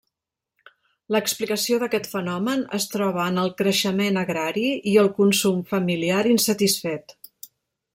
L'explicació d'aquest fenomen es troba en el creixement agrari i el consum familiar insatisfet.